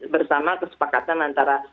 bersama kesepakatan antara